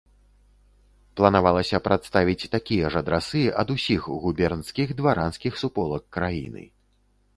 Планавалася прадставіць такія ж адрасы ад усіх губернскіх дваранскіх суполак краіны.